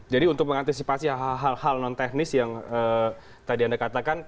jadi untuk mengantisipasi hal hal non teknis yang tadi anda katakan